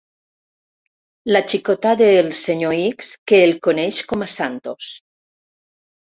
La xicota del senyor X, que el coneix com a "Santos".